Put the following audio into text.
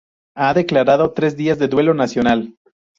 He declarado tres días de duelo nacional.